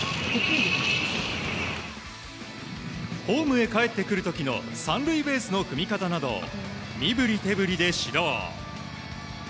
ホームへかえってくる時の３塁ベースの踏み方など身振り手振りで指導。